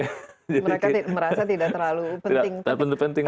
mereka merasa tidak terlalu penting